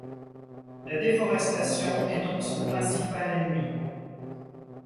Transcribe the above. La déforestation est donc son principal ennemi.